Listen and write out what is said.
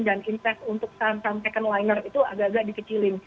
dan investasi untuk saham saham second liner itu agak agak dikecilin